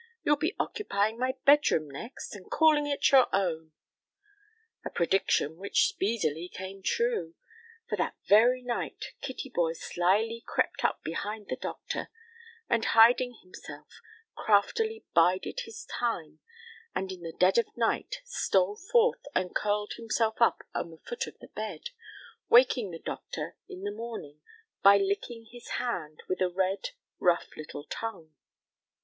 You'll be occupying my bedroom next and calling it your own." A prediction which speedily came true, for that very night Kittyboy slyly crept up behind the doctor, and, hiding himself, craftily bided his time, and in the dead of night stole forth and curled himself up on the foot of the bed, waking the doctor in the morning by licking his hand with a red, rough, little tongue.